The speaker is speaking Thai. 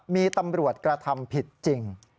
มีตำรวจกระทำผิดจริง